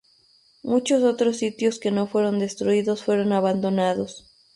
Muchos otros sitios que no fueron destruidos fueron abandonados.